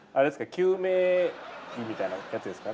救命着みたいなやつですか？